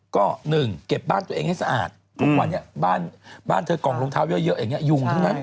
ก็๑เก็บบ้านตัวเองให้สะอาดทุกวันนี้บ้านเธอกล่องรองเท้าเยอะอย่างนี้ยุงใช่ไหม